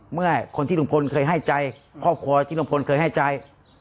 เมื่อคนที่ลุงพลเคยให้ใจครอบครัวที่ลุงพลเคยให้ใจ